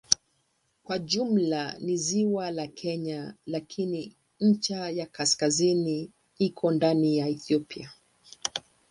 Kwa jumla ni ziwa la Kenya lakini ncha ya kaskazini iko ndani ya Ethiopia.